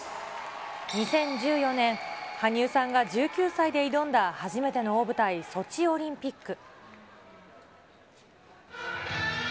２０１４年、羽生さんが１９歳で挑んだ初めての大舞台、ソチオリンピック。